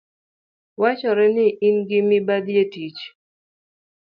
Wachore ni ingi mibadhi etich